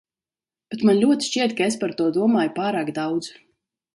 Bet man ļoti šķiet, ka es par to domāju pārāk daudz.